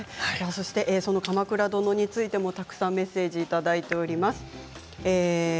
そしてその「鎌倉殿」についてもメッセージいただいています。